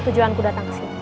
tidak perlu berhenti